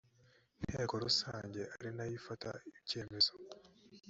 nteko rusange ari na yo ifata icyemezo